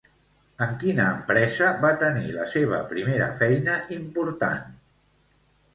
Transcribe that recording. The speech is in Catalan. En quina empresa va tenir la seva primera feina important?